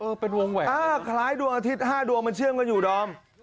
เออเป็นวงแหวงหรออะคล้ายดวงอาทิตย์ห้าดวงมันเชื่องกันอยู่ล้อม